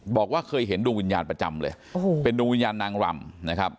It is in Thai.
บอกว่าเคยเห็นดวงวิญญาณประจำเลยโอ้โหเป็นดวงวิญญาณนางรำนะครับ